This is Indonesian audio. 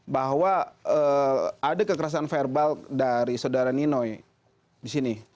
bahwa ada kekerasan verbal dari saudara nino disini